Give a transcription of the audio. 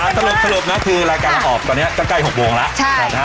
สรุปนะคือรายการเราออกตอนนี้ก็ใกล้๖โมงแล้ว